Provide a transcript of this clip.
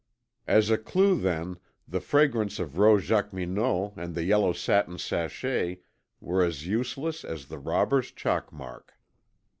As a clue, then, the fragrance of Rose Jacqueminot and the yellow satin sachet were as useless as the robber's chalk mark.